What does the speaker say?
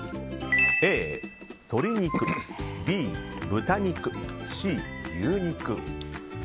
Ａ、鶏肉Ｂ、豚肉Ｃ、牛肉。